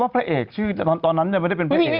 พระเอกชื่อตอนนั้นไม่ได้เป็นพระเอก